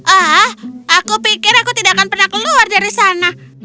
ah aku pikir aku tidak akan pernah keluar dari sana